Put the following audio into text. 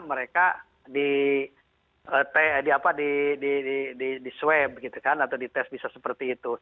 mereka di swab gitu kan atau dites bisa seperti itu